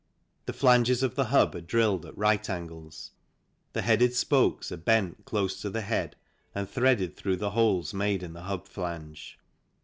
The flanges of the hub are drilled at right angles, the headed spokes are bent close to the head, and threaded through the holes made in the hub flange.